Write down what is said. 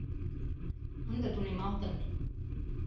Ынде тунемалтын.